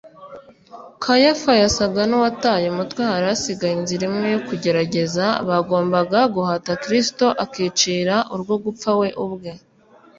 kayafa yasaga n’uwataye umutwe hari hasigaye inzira imwe yo kugerageza; bagombaga guhata kristo akicira urwo gupfa we ubwe